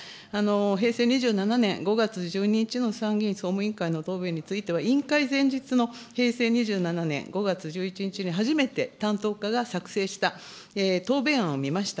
平成２７年５月１２日の参議院総務委員会の答弁については、委員会前日の平成２７年５月１１日に初めて担当課が作成した答弁案を見ました。